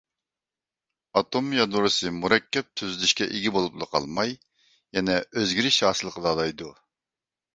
ئاتوم يادروسى مۇرەككەپ تۈزۈلۈشكە ئىگە بولۇپلا قالماي، يەنە ئۆزگىرىش ھاسىل قىلالايدۇ.